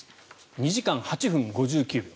２時間８分５９秒。